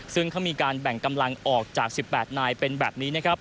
ซึ่งเขามีการแบ่งกำลังออกจาก๑๘นายเป็นแบบนี้นะครับ